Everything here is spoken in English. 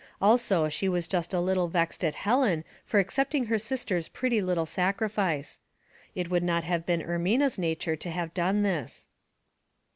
Also she was just a little vexed at Helen for accepting her sister's pretty little sacrifice. It would not have been Ermina's nature to have done this.